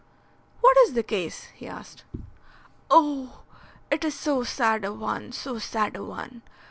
"What is the case?" he asked. "Oh, it is so sad a one! So sad a one!